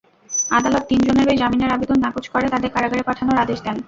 আদালত তিনজনেরই জামিনের আবেদন নাকচ করে তাঁদের কারাগারে পাঠানোর আদেশ দেন।